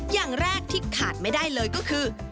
อย่างแรกที่ขาดไม่ได้เลยก็คือ